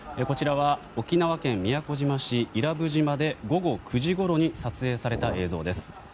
沖縄県宮古島市伊良部島で午後９時ごろに撮影された映像です。